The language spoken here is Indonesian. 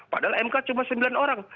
padahal mk cuma sembilan orang